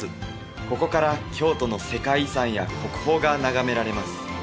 ここから京都の世界遺産や国宝が眺められます